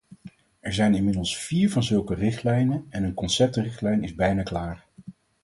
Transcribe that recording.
Er zijn inmiddels vier van zulke richtlijnen en een conceptrichtlijn is bijna klaar.